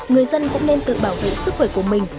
người dân cũng nên tự bảo vệ sức khỏe của mình